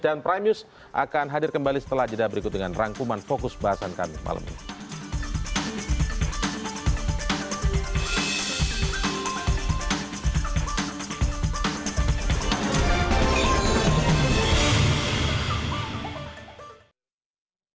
dan prime news akan hadir kembali setelah jeda berikut dengan rangkuman fokus bahasan kami malam ini